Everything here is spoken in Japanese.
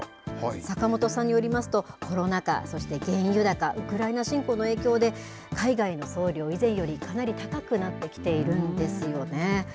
坂本さんによりますと、コロナ禍、そして原油高、ウクライナ侵攻の影響で、海外の送料、以前よりかなり高くなってきているんですよね。